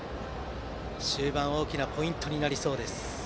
終盤、大きなポイントになりそうです。